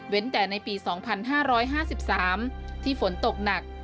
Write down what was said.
แต่ในปี๒๕๕๓ที่ฝนตกหนัก